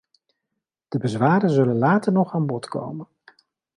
De bezwaren zullen later nog aan bod komen.